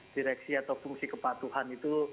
direksi atau fungsi kepatuhan itu